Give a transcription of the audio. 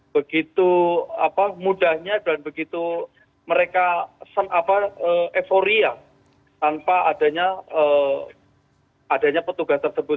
begitu mudahnya dan begitu mereka euforia tanpa adanya adanya petugas tersebut